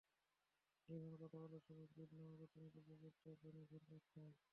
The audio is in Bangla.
টেলিফোনে কথা বলার সময় বিল নামক অর্থনৈতিক ব্যাপারটা ব্রেনে ঘুরপাক খায়।